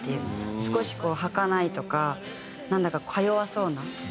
少しこうはかないとかなんだかか弱そうな。